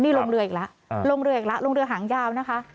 นี่ลงเรืออีกแล้วลงเรืออีกแล้วลงเรือหางยาวนะคะ